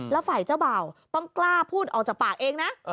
แล้วฝ่ายเจ้าบ่าวต้องกล้าพูดออกจากปากเองนะ